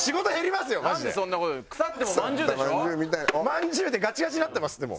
まんじゅうでガチガチになってますってもう。